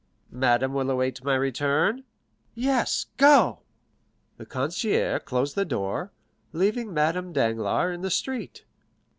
"Madame will await my return?" "Yes; go." The concierge closed the door, leaving Madame Danglars in the street.